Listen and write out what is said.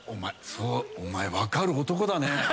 お前、分かる男だね。